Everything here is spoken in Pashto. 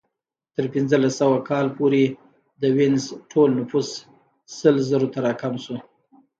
تر پنځلس سوه کال پورې د وینز ټول نفوس سل زرو ته راکم شو